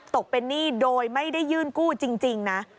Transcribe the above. ตกเป็นหนี้โดยไม่ได้ยื่นกู้จริงนะ